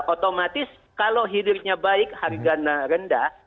otomatis kalau hilirnya baik harganya rendah